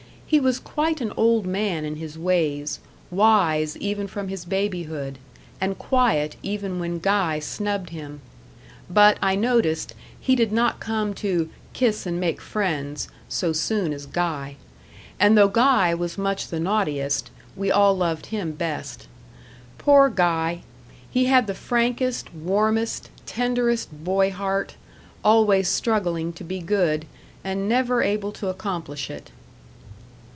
He was quite an old man in his ways wise even from his babyhood, and quiet even when Guy snubbed him; but, I noticed, he did not come to "kiss and make friends" so soon as Guy. And though Guy was much the naughtiest, we all loved him best. Poor Guy! he had the frankest, warmest, tenderest boy heart, always struggling to be good, and never able to accomplish it.